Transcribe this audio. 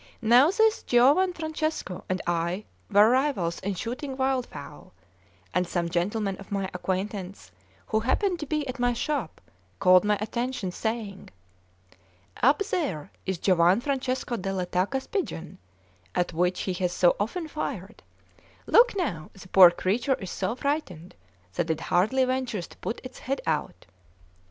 Now this Giovan Francesco and I were rivals in shooting wildfowl; and some gentlemen of my acquaintance, who happened to be at my shop, called my attention, saying: "Up there is Giovan Francesco della Tacca's pigeon, at which he has so often fired; look now, the poor creature is so frightened that it hardly ventures to put its head out."